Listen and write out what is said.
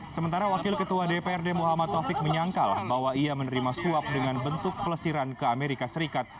sementara wakil ketua dprd muhammad taufik menyangkal bahwa ia menerima suap dengan bentuk pelesiran ke amerika serikat